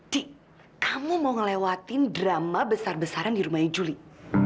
dik kamu mau ngelewatin drama besar besaran di rumahnya juli